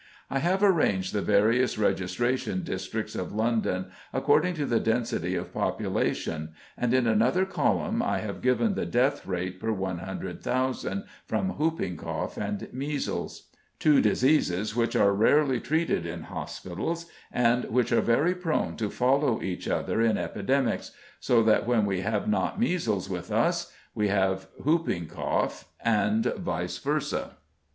I have arranged the various registration districts of London according to the density of population, and in another column I have given the death rate per 100,000 from whooping cough and measles, two diseases which are rarely treated in hospitals, and which are very prone to follow each other in epidemics, so that when we have not measles with us we have whooping cough, and vice versâ.